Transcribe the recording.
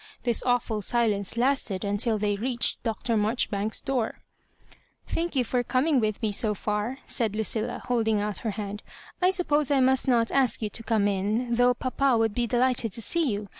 This awful silence lasted until they reached Dr. Marjoribauks's door. ^ Thank you for coming with me so for," said Lucilla, holding out her hand. " I s'upposcf I must not ask you to come in, though papa would be delighted to see you.